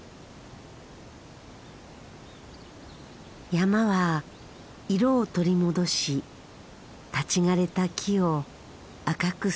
山は色を取り戻し立ち枯れた木を赤く染めた。